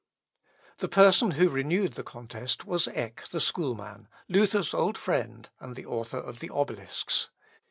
] The person who renewed the contest was Eck the schoolman, Luther's old friend, and the author of the Obelisks.